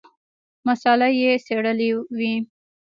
مساله یې څېړلې وي.